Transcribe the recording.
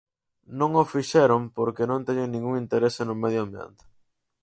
Non o fixeron porque non teñen ningún interese no medio ambiente.